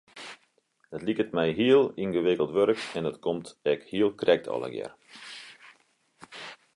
Dat liket my heel yngewikkeld wurk en dat komt ek hiel krekt allegear.